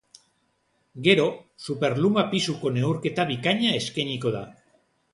Gero, superluma pisuko neurketa bikaina eskainiko da.